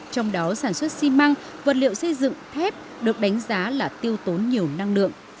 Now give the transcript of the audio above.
trong đó sản xuất xi măng vật liệu xây dựng thép được đánh giá là tiêu tốn nhiều năng lượng